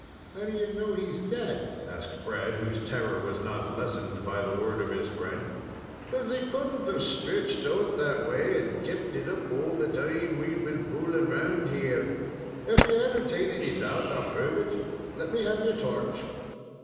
"How do you know he's dead?" asked Fred, whose terror was not lessened by the word of his friend. "'Cause he couldn't have stretched out that way, and kept it up all the time we've been fooling round here. If ye entertain any doubt, I'll prove it. Let me have your torch."